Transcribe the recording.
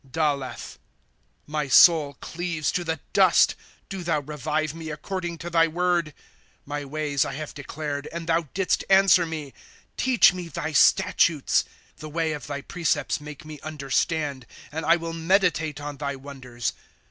Daleih. 35 My soul cleaves to the dust ; Do thou revive me according to thy word. 26 y^y ways I have declared, and thou didst answer me ; Teach me thy statutes. 3' The way of thy precepts make me understand ; And I will meditate on thy wonders.